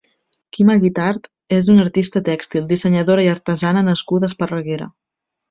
Kima Guitart és una artista tèxtil, dissenyadora i artesana nascuda a Esparreguera.